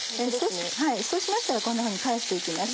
そうしましたらこんなふうに返して行きます。